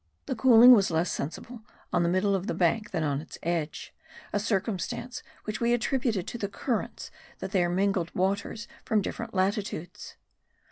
The cooling was less sensible on the middle of the bank than on its edge, a circumstance which we attributed to the currents that there mingle waters from different latitudes.